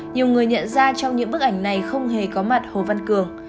nhiều người nhận ra trong những bức ảnh này không hề có mặt hồ văn cường